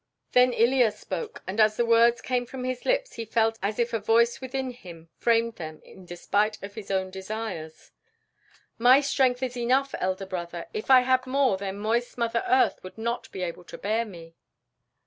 Then Ilya spoke, and as the words came from his lips he felt as if a voice within him framed them in despite of his own desires. "My strength is enough, elder brother; if I had more, then moist Mother Earth would not be able to bear me."